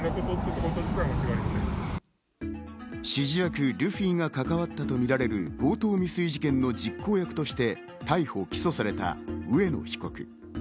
指示役・ルフィが関わったとみられる、強盗未遂事件の実行役として逮捕・起訴された上野被告。